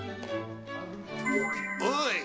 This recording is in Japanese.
おい！